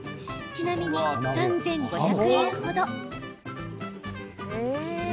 ちなみに３５００円程。